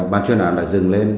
bàn chuyên án đã dừng lên